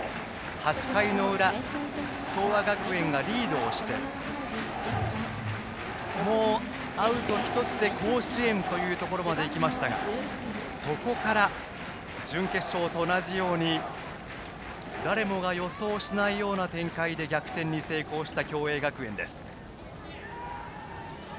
８回の裏、東亜学園がリードをしてアウト１つで甲子園というところまで行きましたがそこから準決勝と同じように誰もが予想しないような展開で逆転に成功した共栄学園です。